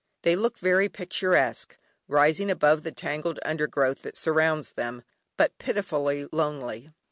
They look very picturesque, rising above the tangled undergrowth that surrounds them, but pitifully lonely.